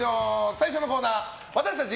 最初のコーナー私たち